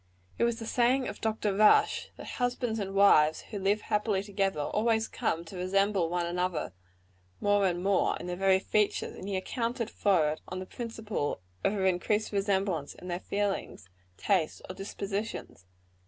It was the saying of Dr. Rush, that husbands and wives who live happily together, always come to resemble one another more and more, in their very features; and he accounted for it on the principle of an increased resemblance in their feelings, tastes or dispositions.